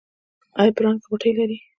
ایا په ران کې غوټې لرئ؟